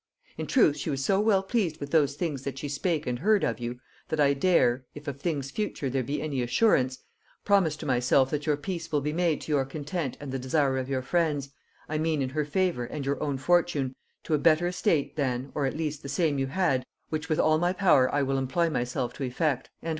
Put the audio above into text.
In truth she was so well pleased with those things that she spake and heard of you, that I dare (if of things future there be any assurance) promise to myself that your peace will be made to your content and the desire of your friends, I mean in her favor and your own fortune, to a better estate than, or at least the same you had, which with all my power I will employ myself to effect." &c.